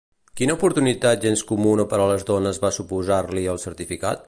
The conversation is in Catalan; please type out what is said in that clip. Quina oportunitat gens comuna per a les dones va suposar-li el certificat?